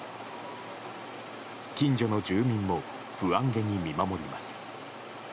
近所の住民も不安げに見守ります。